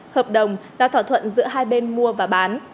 hợp đồng đã thỏa thuận giữa hai bên mua và bán